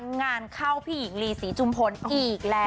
งานเข้าพี่หญิงลีศรีจุมพลอีกแล้ว